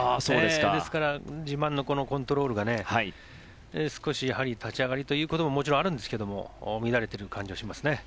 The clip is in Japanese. ですから、自慢のコントロールが少し立ち上がりということももちろんあるんですけれども乱れている感じはしますね。